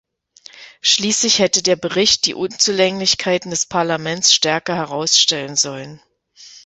Schließlich hätte der Bericht die Unzulänglichkeiten des Parlaments stärker herausstellen sollen.